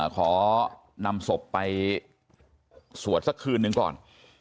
ขอนำศพไปสวดสักคืนหนึ่งก่อน